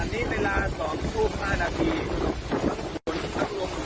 อันนี้เวลา๒ครู๕นาทีก็คระพรุน